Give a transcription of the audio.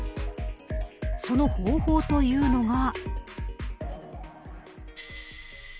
その方法というのが。